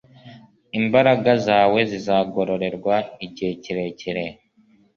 Imbaraga zawe zizagororerwa igihe kirekire.